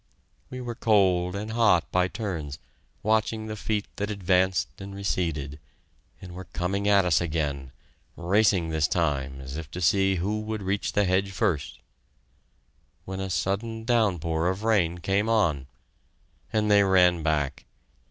We were cold and hot by turns, watching the feet that advanced and receded, and were coming at us again, racing this time as if to see who would reach the hedge first, when a sudden downpour of rain came on and they ran back!